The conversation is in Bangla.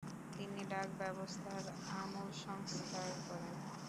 তিনি ডাক ব্যবস্থারও আমূল সংস্কার করেন।